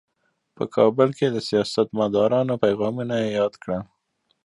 په کابل کې د سیاستمدارانو پیغامونه یې یاد کړل.